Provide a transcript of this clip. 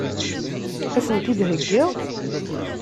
Ad sen-t-id-heggiɣ?